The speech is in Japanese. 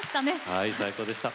はい最高でした。